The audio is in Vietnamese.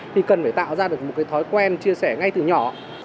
thì cần phải tạo ra được một cái thói quen chia sẻ ngay từ nhỏ